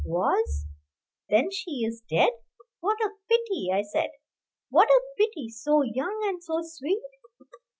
"Was? then she is dead. What a pity!" I said; "what a pity! so young and so sweet!"